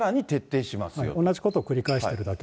同じことを繰り返しているだ